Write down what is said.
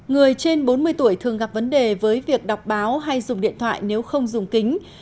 người trên bốn mươi tuổi thường gặp vấn đề với việc đọc báo hay dùng điện thoại nếu không dùng kính